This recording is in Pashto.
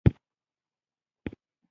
په کړکیو کې پیغلوټې روڼاګانې